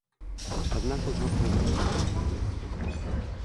Аднак ужо прыдуманы кампраміс.